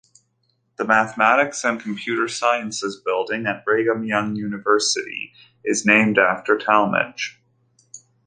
The Mathematics and Computer Sciences Building at Brigham Young University is named after Talmage.